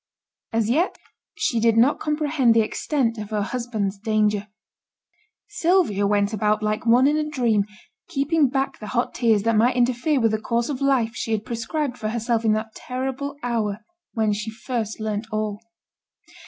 As yet she did not comprehend the extent of her husband's danger. Sylvia went about like one in a dream, keeping back the hot tears that might interfere with the course of life she had prescribed for herself in that terrible hour when she first learnt all.